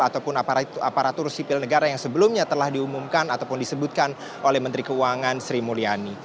ataupun aparatur sipil negara yang sebelumnya telah diumumkan ataupun disebutkan oleh menteri keuangan sri mulyani